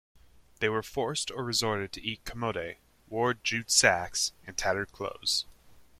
They were forced or resorted to eat camote, wore jute sacks and tattered clothes.